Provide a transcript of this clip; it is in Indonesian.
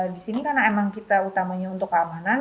di sini karena emang kita utamanya untuk keamanan